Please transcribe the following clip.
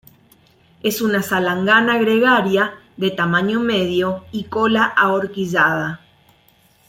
Es una salangana gregaria de tamaño medio y cola ahorquillada.